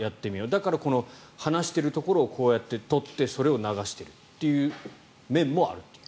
だからこの話しているところをこうやって撮ってそれを流しているという面もあるという。